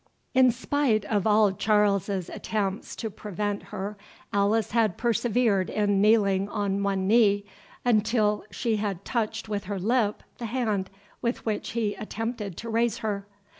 In spite of all Charles's attempts to prevent her, Alice had persevered in kneeling on one knee, until she had touched with her lip the hand with which he attempted to raise her.